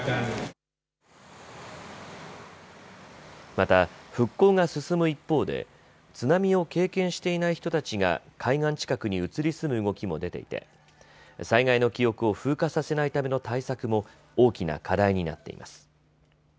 また復興が進む一方で津波を経験していない人たちが海岸近くに移り住む動きも出ていて災害の記憶を風化させないための対策も大きな課題になっています。